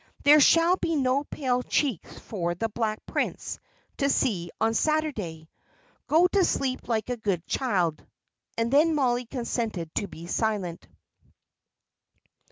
There shall be no pale cheeks for the Black Prince to see on Saturday. Go to sleep like a good child." And then Mollie consented to be silent.